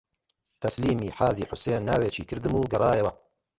تەسلیمی حاجی حوسێن ناوێکی کردم و گەڕایەوە